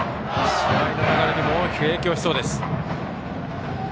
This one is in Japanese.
試合の流れにも大きく影響しそうです。